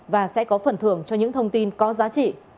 và sẽ có phần thưởng cho những thông tin có giá trị